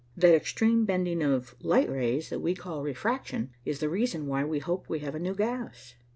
That extreme bending of light rays that we call refraction is the reason why we hope we have a new gas."